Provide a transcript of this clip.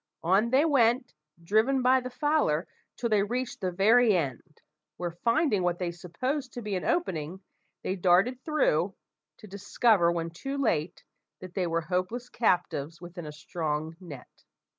On they went, driven by the fowler, till they reached the very end; where, finding what they supposed to be an opening, they darted through, to discover, when too late, that they were hopeless captives within a strong net!